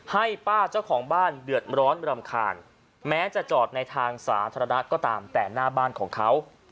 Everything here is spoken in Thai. ให้ป้าเจ้าของบ้านเดือดร้อนรำคาญแม้จะจอดในทางสาธารณะก็ตามแต่หน้าบ้านของเขา